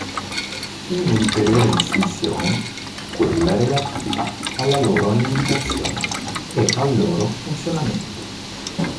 Un'ulteriore distinzione è quella relativa alla loro alimentazione e al loro funzionamento.